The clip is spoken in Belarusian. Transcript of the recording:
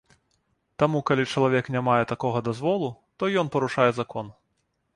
Таму, калі чалавек не мае такога дазволу, то ён парушае закон.